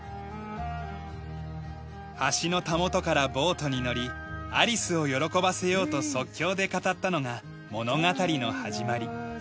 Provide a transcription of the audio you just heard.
橋のたもとからボートに乗りアリスを喜ばせようと即興で語ったのが物語の始まり。